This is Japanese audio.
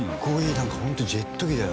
なんかホントにジェット機だよ。